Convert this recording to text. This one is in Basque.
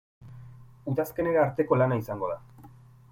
Udazkenera arteko lana izango da.